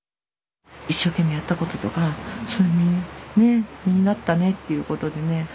一生懸命やったこととか実になったねっていうことでね。